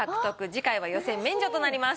次回は予選免除となります。